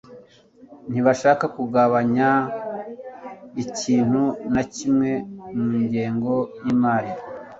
Ntibashaka kugabanya ikintu na kimwe mu ngengo yimari